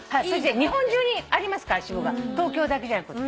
日本中にありますから支部が東京だけじゃなくって。